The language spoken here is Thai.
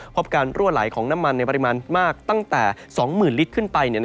พบการรั่วไหลของน้ำมันในปริมาณมากตั้งแต่๒๐๐๐ลิตรขึ้นไป